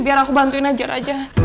biar aku bantuin aja raja